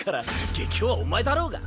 元凶はお前だろうが！